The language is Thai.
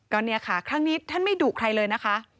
ก็เนี่ยค่ะครั้งนี้ท่านไม่ดุใครเลยนะคะ